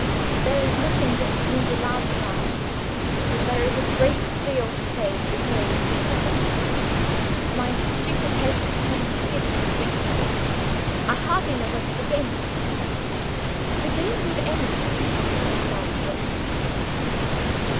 "There is nothing that need alarm you, ma'am but there is a great deal to say, before you see Miss Emily. My stupid head turns giddy with thinking of it. I hardly know where to begin." "Begin with Emily," Miss Ladd suggested.